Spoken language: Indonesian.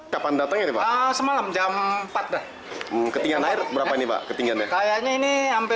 yang belasan satu meter di sini